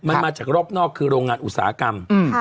มันมาจากรอบนอกคือโรงงานอุตสาหกรรม